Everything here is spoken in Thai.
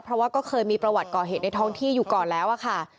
เพราะว่าก็เคยมีประวัติก่อเหตุในท้องที่อยู่ก่อนแล้วอะค่ะ